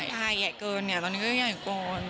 ถ้าใหญ่เกินเรานี่ก็ใหญ่กวน